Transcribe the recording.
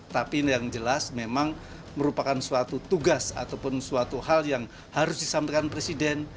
tapi yang jelas memang merupakan suatu tugas ataupun suatu hal yang harus disampaikan presiden